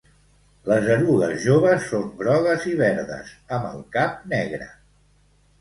Les erugues joves són grogues i verdes, amb el cap negre.